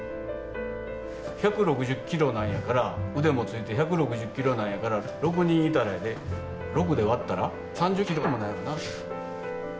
１６０キロなんやから腕もついて１６０キロなんやから６人いたらやで６で割ったら３０キロもないわな。